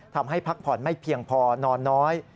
พักผ่อนไม่เพียงพอนอนน้อย